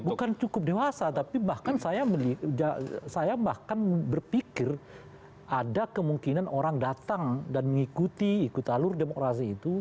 bukan cukup dewasa tapi bahkan saya bahkan berpikir ada kemungkinan orang datang dan mengikuti ikut alur demokrasi itu